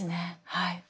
はい。